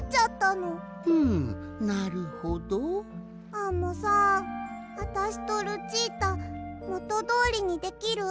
アンモさんあたしとルチータもとどおりにできる？